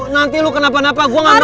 nanti lo kenapa kenapa gue gak mau